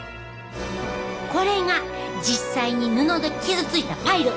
これが実際に布で傷ついたパイル。